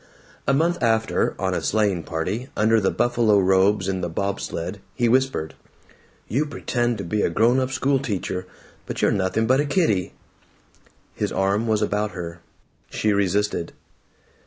A month after, on a sleighing party, under the buffalo robes in the bob sled, he whispered, "You pretend to be a grown up schoolteacher, but you're nothing but a kiddie." His arm was about her. She resisted.